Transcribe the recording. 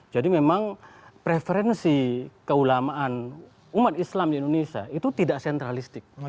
jadi memang preferensi keulamaan umat islam di indonesia itu tidak sentralistik